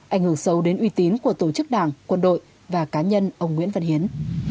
ảnh hưởng sâu đến uy tín của tổ chức đảng quân đội và cá nhân ông nguyễn văn hiến